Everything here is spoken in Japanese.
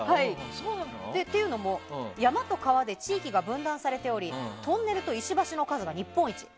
というのも山と川で地域が分断されておりトンネルと石橋の数が日本一。